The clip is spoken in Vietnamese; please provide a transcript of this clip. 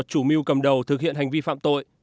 chủ mưu cầm đầu thực hiện hành vi phạm tội